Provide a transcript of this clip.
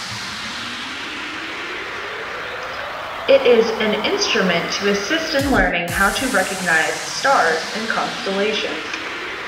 It is an instrument to assist in learning how to recognize stars and constellations.